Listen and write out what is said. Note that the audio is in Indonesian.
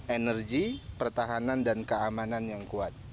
energi pertahanan dan keamanan yang kuat